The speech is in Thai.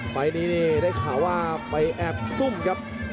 ไปนี้ทำอย่างที่เขาว่าไปแอบซุ่มครับ